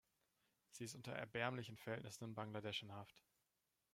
Sie ist unter erbärmlichen Verhältnissen in Bangladesch in Haft.